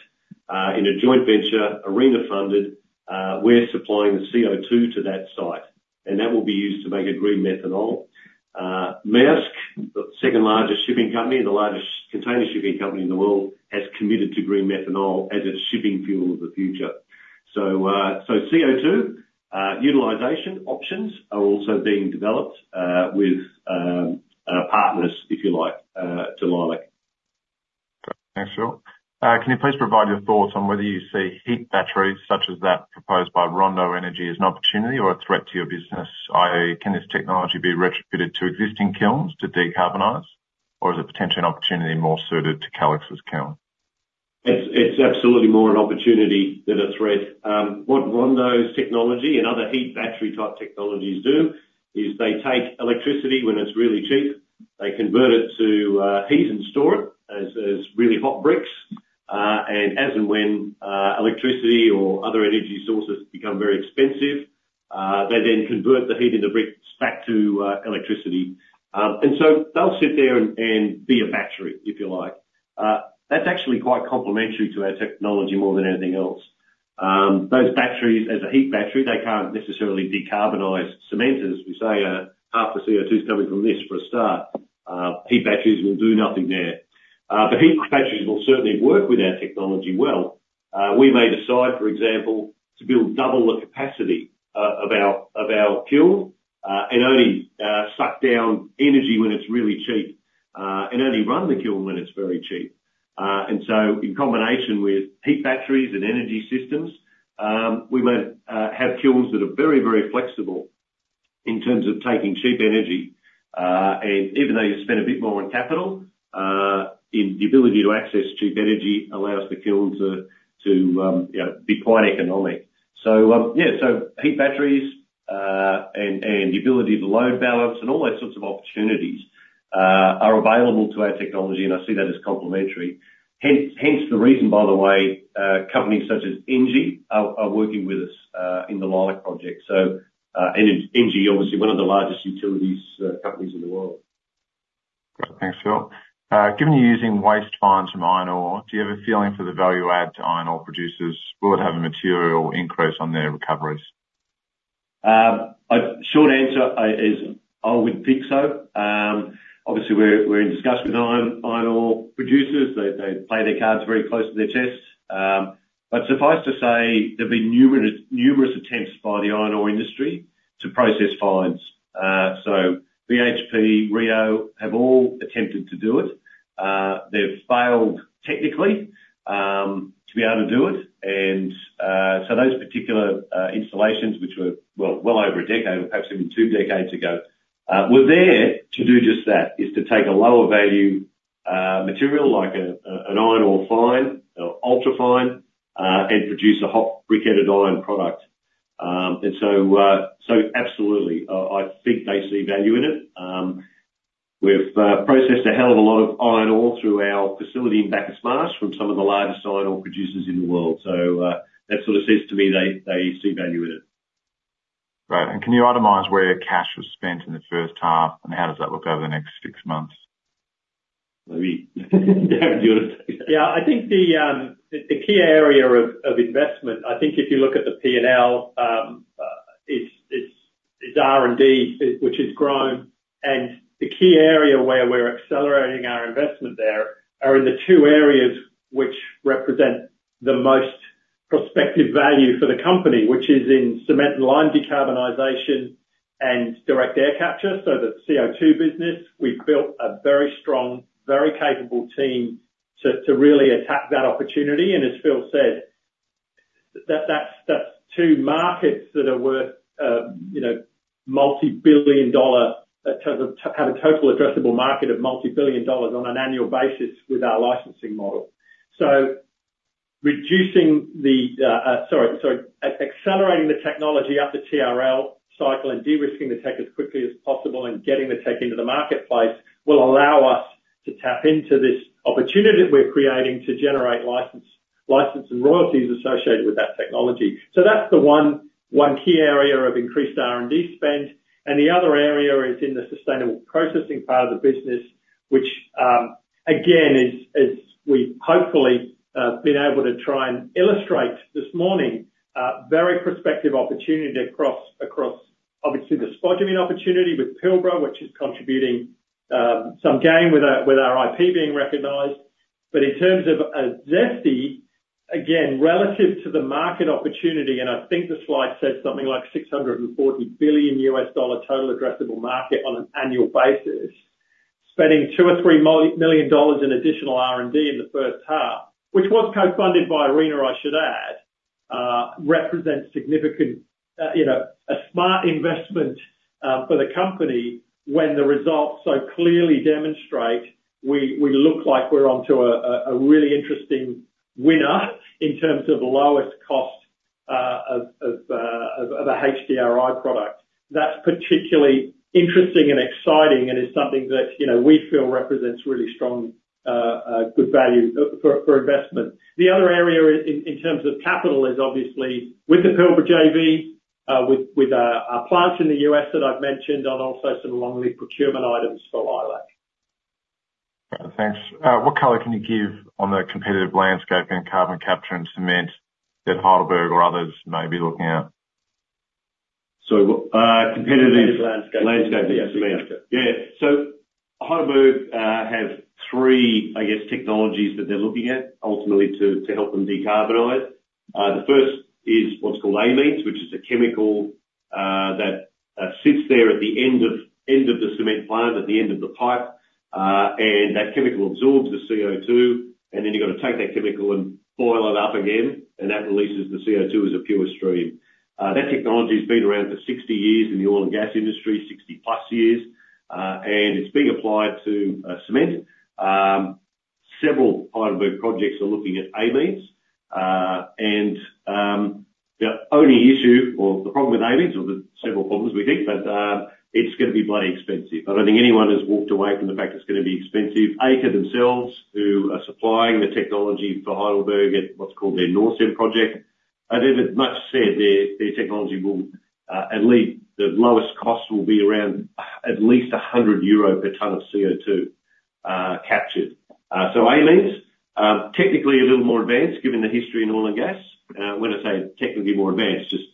in a joint venture, ARENA funded, we're supplying the CO2 to that site. And that will be used to make a green methanol. Maersk, the second largest shipping company and the largest container shipping company in the world, has committed to green methanol as its shipping fuel of the future. So CO2 utilization options are also being developed with partners, if you like, to Leilac. Thanks, Phil. Can you please provide your thoughts on whether you see heat batteries such as that proposed by Rondo Energy as an opportunity or a threat to your business? I.e., can this technology be retrofitted to existing kilns to decarbonize? Or is it potentially an opportunity more suited to Calix's kiln? It's absolutely more an opportunity than a threat. What Rondo's technology and other heat battery-type technologies do is they take electricity when it's really cheap, they convert it to heat and store it as really hot bricks. As and when electricity or other energy sources become very expensive, they then convert the heat in the bricks back to electricity. And so they'll sit there and be a battery, if you like. That's actually quite complementary to our technology more than anything else. Those batteries, as a heat battery, they can't necessarily decarbonize cement as we say. Half the CO2's coming from this for a start. Heat batteries will do nothing there. But heat batteries will certainly work with our technology well. We may decide, for example, to build double the capacity of our kiln and only suck down energy when it's really cheap and only run the kiln when it's very cheap. And so in combination with heat batteries and energy systems, we may have kilns that are very, very flexible in terms of taking cheap energy. Even though you spend a bit more on capital, the ability to access cheap energy allows the kiln to be quite economic. So yeah, so heat batteries and the ability to load balance and all those sorts of opportunities are available to our technology. And I see that as complementary. Hence the reason, by the way, companies such as Engie are working with us in the Leilac project. So Engie, obviously one of the largest utilities companies in the world. Thanks, Phil. Given you're using waste fines from iron ore, do you have a feeling for the value add to iron ore producers? Will it have a material increase on their recoveries? Short answer is I would think so. Obviously we're in discussion with iron ore producers. They play their cards very close to their chest. But suffice to say, there've been numerous attempts by the iron ore industry to process fines. So BHP, Rio have all attempted to do it. They've failed technically to be able to do it. And so those particular installations which were, well, well over a decade, perhaps even two decades ago, were there to do just that. Is to take a lower value material like an iron ore fine or ultra fine and produce a hot briquetted iron product. And so absolutely, I think they see value in it. We've processed a hell of a lot of iron ore through our facility in Bacchus Marsh from some of the largest iron ore producers in the world. So that sort of says to me they see value in it. Right. And can you itemize where cash was spent in the first half? How does that look over the next six months? Maybe Darren's got to take that. Yeah. I think the key area of investment, I think if you look at the P&L, it's R&D which has grown. And the key area where we're accelerating our investment there are in the two areas which represent the most prospective value for the company which is in cement and lime decarbonization and direct air capture. So the CO2 business, we've built a very strong, very capable team to really attack that opportunity. And as Phil said, that's two markets that are worth multi-billion dollar have a total addressable market of multi-billion dollars on an annual basis with our licensing model. So reducing the Accelerating the technology up the TRL cycle and de-risking the tech as quickly as possible and getting the tech into the marketplace will allow us to tap into this opportunity that we're creating to generate license and royalties associated with that technology. So that's the one key area of increased R&D spend. The other area is in the sustainable processing part of the business which, again, as we've hopefully been able to try and illustrate this morning, very prospective opportunity across obviously the spodumene opportunity with Pilbara which is contributing some gain with our IP being recognized. But in terms of ZESTI, again, relative to the market opportunity and I think the slide said something like $640 billion total addressable market on an annual basis, spending $2 million- $3 million in additional R&D in the first half which was co-funded by ARENA, I should add, represents a significant smart investment for the company when the results so clearly demonstrate we look like we're onto a really interesting winner in terms of lowest cost of a DRI product. That's particularly interesting and exciting and is something that we feel represents really strong good value for investment. The other area in terms of capital is obviously with the Pilbara JV, with our plants in the U.S. that I've mentioned, and also some long-lead procurement items for Leilac. Thanks. What color can you give on the competitive landscape in carbon capture and cement that Heidelberg Materials or others may be looking at? So competitive landscape in cement. Yeah. So Heidelberg Materials have three, I guess, technologies that they're looking at ultimately to help them decarbonize. The first is what's called amines which is a chemical that sits there at the end of the cement plant, at the end of the pipe. And that chemical absorbs the CO2. And then you've got to take that chemical and boil it up again. And that releases the CO2 as a pure stream. That technology's been around for 60 years in the oil and gas industry, 60-plus years. And it's being applied to cement. Several Heidelberg Materials projects are looking at amines. And the only issue or the problem with amines or the several problems, we think, but it's going to be bloody expensive. I don't think anyone has walked away from the fact it's going to be expensive. Calix to themselves who are supplying the technology for Heidelberg at what's called their Norcem project, I think they've much said their technology will at least the lowest cost will be around at least 100 euro per tonne of CO2 captured. So amines, technically a little more advanced given the history in oil and gas. When I say technically more advanced, just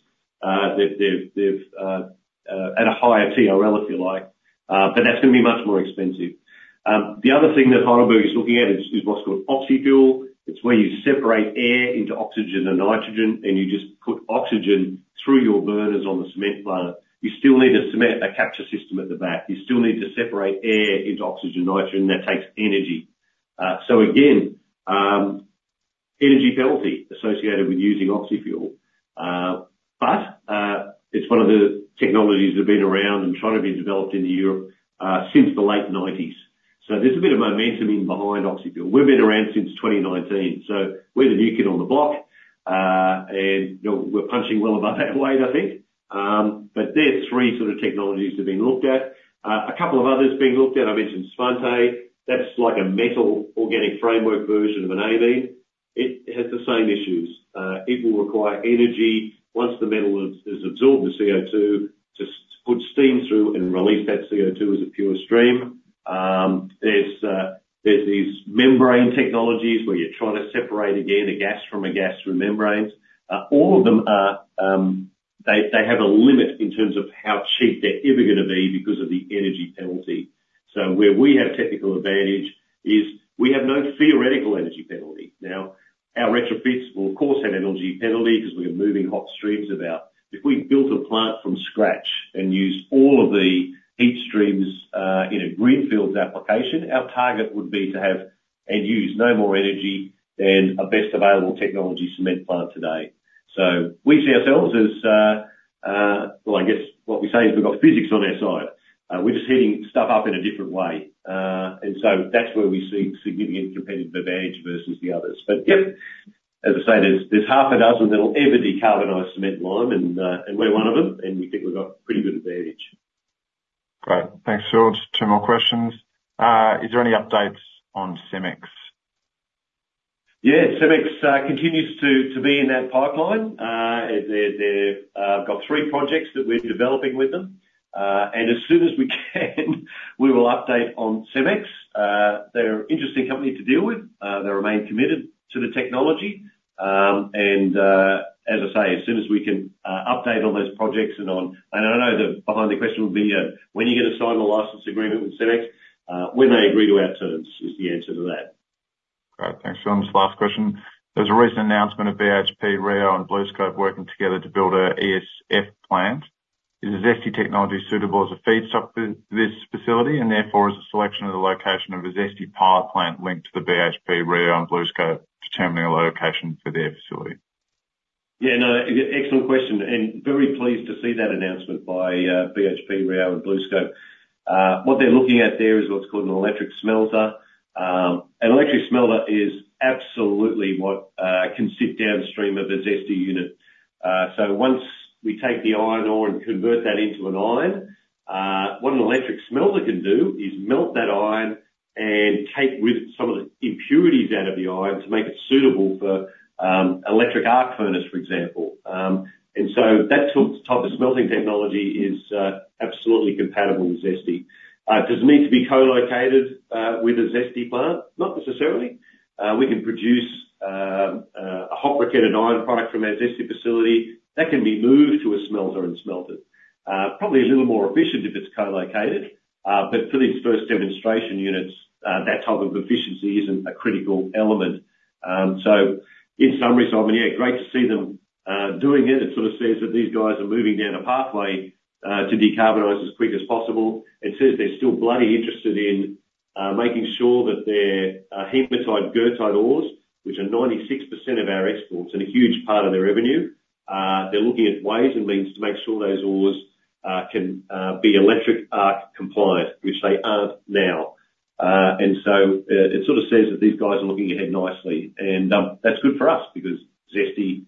they've at a higher TRL, if you like. But that's going to be much more expensive. The other thing that Heidelberg is looking at is what's called oxyfuel. It's where you separate air into oxygen and nitrogen. You just put oxygen through your burners on the cement plant. You still need a CO2 capture system at the back. You still need to separate air into oxygen and nitrogen. That takes energy. So again, energy penalty associated with using oxyfuel. But it's one of the technologies that have been around and trying to be developed in Europe since the late 1990s. So there's a bit of momentum behind oxyfuel. We've been around since 2019. So we're the new kid on the block. And we're punching well above that weight, I think. But there's three sort of technologies that have been looked at. A couple of others being looked at. I mentioned Svante. That's like a metal-organic framework version of an amine. It has the same issues. It will require energy once the metal has absorbed the CO2 to put steam through and release that CO2 as a pure stream. There's these membrane technologies where you're trying to separate again a gas from a gas through membranes. All of them, they have a limit in terms of how cheap they're ever going to be because of the energy penalty. So where we have technical advantage is we have no theoretical energy penalty. Now, our retrofits will, of course, have energy penalty because we're moving hot streams about. If we built a plant from scratch and used all of the heat streams in a greenfields application, our target would be to have and use no more energy than a best available technology cement plant today. So we see ourselves as well, I guess what we say is we've got physics on our side. We're just hitting stuff up in a different way. And so that's where we see significant competitive advantage versus the others. But yep, as I say, there's half a dozen that'll ever decarbonize cement and lime. And we're one of them. We think we've got pretty good advantage. Great. Thanks, Phil. Two more questions. Is there any updates on Cemex? Yeah. Cemex continues to be in that pipeline. They've got three projects that we're developing with them. And as soon as we can, we will update on Cemex. They're an interesting company to deal with. They remain committed to the technology. And as I say, as soon as we can update on those projects and on and I know the behind-the-question would be, "When are you going to sign the license agreement with Cemex?" "When they agree to our terms" is the answer to that. Great. Thanks, Phil. And just last question. There's a recent announcement of BHP, Rio, and BlueScope working together to build a ESF plant. Is ZESTI technology suitable as a feedstock for this facility? Therefore, is a selection of the location of a ZESTI pilot plant linked to the BHP, Rio, and BlueScope determining a location for their facility? Yeah. No. Excellent question. And very pleased to see that announcement by BHP, Rio, and BlueScope. What they're looking at there is what's called an electric smelter. An electric smelter is absolutely what can sit downstream of a ZESTI unit. So once we take the iron ore and convert that into an iron, what an electric smelter can do is melt that iron and take with it some of the impurities out of the iron to make it suitable for electric arc furnaces, for example. And so that type of smelting technology is absolutely compatible with ZESTI. Does it need to be colocated with a ZESTI plant? Not necessarily. We can produce a hot briquetted iron product from our ZESTI facility. That can be moved to a smelter and smelted. Probably a little more efficient if it's colocated. But for these first demonstration units, that type of efficiency isn't a critical element. So in summary, Simon, yeah, great to see them doing it. It sort of says that these guys are moving down a pathway to decarbonize as quick as possible. It says they're still bloody interested in making sure that their hematite/goethite ores which are 96% of our exports and a huge part of their revenue, they're looking at ways and means to make sure those ores can be electric arc compliant which they aren't now. And so it sort of says that these guys are looking ahead nicely. And that's good for us because ZESTI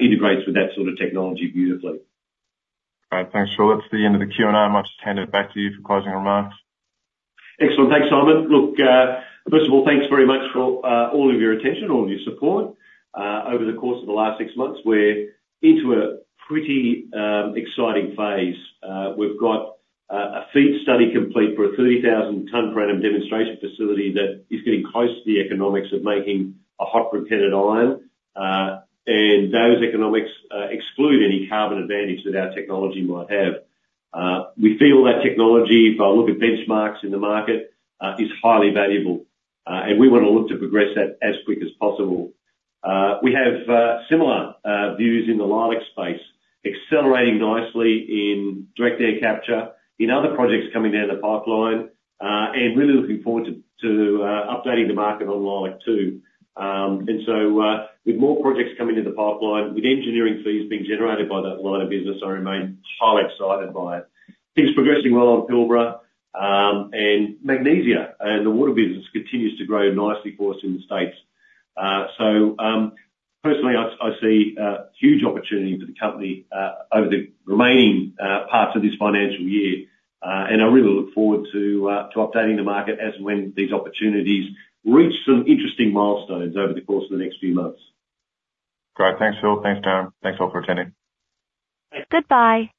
integrates with that sort of technology beautifully. Great. Thanks, Phil. That's the end of the Q&A. And I'll just hand it back to you for closing remarks. Excellent. Thanks, Simon. Look, first of all, thanks very much for all of your attention, all of your support. Over the course of the last six months, we're into a pretty exciting phase. We've got a FEED study complete for a 30,000-tonne grantum demonstration facility that is getting close to the economics of making a hot briquetted iron. Those economics exclude any carbon advantage that our technology might have. We feel that technology, if I look at benchmarks in the market, is highly valuable. We want to look to progress that as quick as possible. We have similar views in the Leilac space. Accelerating nicely in direct air capture. In other projects coming down the pipeline. Really looking forward to updating the market on Leilac too. With more projects coming into the pipeline, with engineering fees being generated by that line of business, I remain highly excited by it. Things progressing well on Pilbara and Magnesia. The water business continues to grow nicely for us in the States. Personally, I see huge opportunity for the company over the remaining parts of this financial year. I really look forward to updating the market as and when these opportunities reach some interesting milestones over the course of the next few months. Great. Thanks, Phil. Thanks, Darren. Thanks, all, for attending. Thanks. Goodbye.